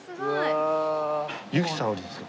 由紀さおりですよ。